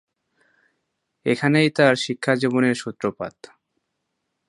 এখানেই তার শিক্ষাজীবনের সূত্রপাত।